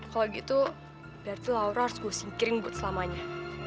kalau gitu biar tuh laura harus gue singkirin buat selamanya